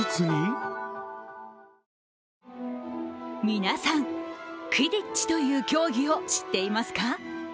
皆さん、クィディッチという競技を知っていますか？